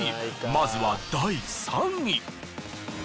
まずは第３位。